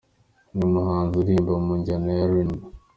Ni umuhanzi uririmba mu njyana ya RnB.